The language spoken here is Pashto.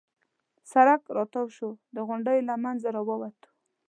چې سړک را تاو شو، د غونډیو له منځه را ووتو.